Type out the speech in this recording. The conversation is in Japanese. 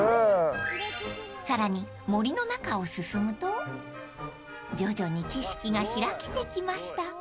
［さらに森の中を進むと徐々に景色が開けてきました］